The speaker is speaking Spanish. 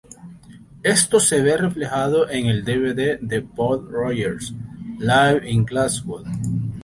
Esto se ve reflejado en el dvd de Paul Rodgers "Live In Glasgow".